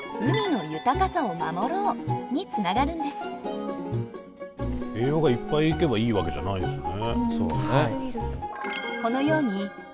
そのため栄養がいっぱいいけばいいわけじゃないんですね。